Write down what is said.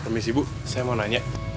permisi bu saya mau nanya